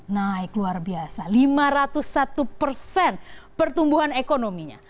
naik luar biasa lima ratus satu persen pertumbuhan ekonominya